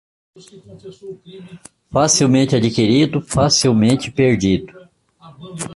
Facilmente adquirido, facilmente perdido.